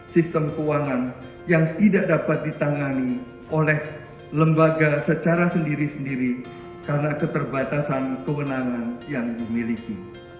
sistem keuangan yang tidak dapat ditangani oleh lembaga secara sendiri sendiri karena keterbatasan kewenangan yang dimiliki